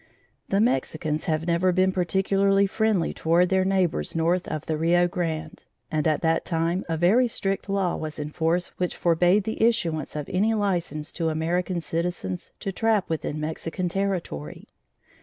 The Mexicans have never been particularly friendly toward their neighbors north of the Rio Grande, and at that time a very strict law was in force which forbade the issuance of any license to American citizens to trap within Mexican territory.